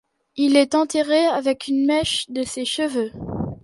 Il est enterré avec une mèche de ses cheveux.